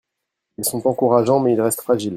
Ils sont encourageants, mais ils restent fragiles.